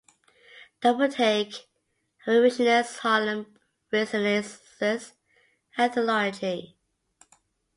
Double Take: A Revisionist Harlem Renaissance Anthology.